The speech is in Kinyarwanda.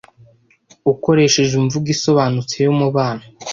Ukoresheje imvugo isobanutse yumubano,